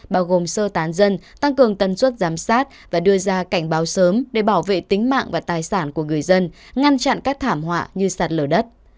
bao gồm sơ tán dân tăng cường tần suất giám sát và đưa ra cảnh báo sớm để bảo vệ tính mạng và tài sản của người dân ngăn chặn các thảm họa như sạt lở đất